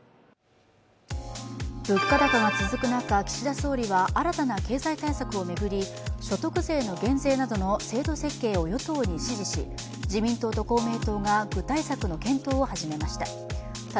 物価高が続く中、岸田総理は新たな経済対策をめぐり所得税の減税などの制度設計を与党に指示し、自民党と公明党が具体策の検討を始めました。